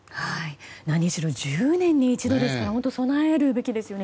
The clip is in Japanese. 何しろ１０年に一度ですから本当に備えるべきですよね。